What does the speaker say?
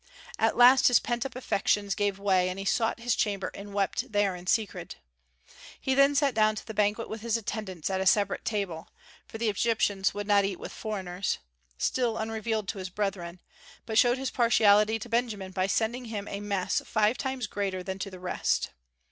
At last his pent up affections gave way, and he sought his chamber and wept there in secret. He then sat down to the banquet with his attendants at a separate table, for the Egyptian would not eat with foreigners, still unrevealed to his brethren, but showed his partiality to Benjamin by sending him a mess five times greater than to the rest.